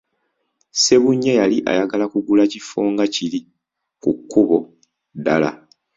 Ssebunya yali ayagala kugula kifo nga kiri ku kkubo ddala.